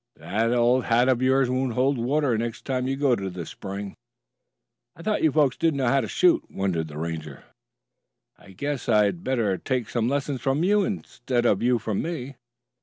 "That old hat of yours won't hold water next time you go to the spring." "I thought you folks didn't know how to shoot," wondered the Ranger. "I guess I'd better take some lessons from you instead of you from me.